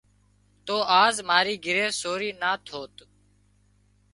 تو آز ماري گھري سورِي نا ٿوت